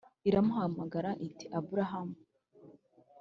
Iramuhamagara iti aburahamu